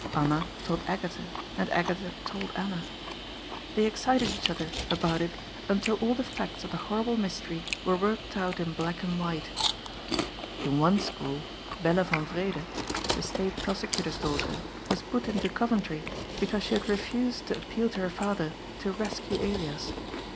Anna told Agatha, and Agatha told Anna. They excited each other about it until all the facts of the horrible mystery were worked out in black and white. In one school Bella van Wreede, the State Prosecutor's daughter, was put into Coventry because she had refused to appeal to her father to rescue Elias.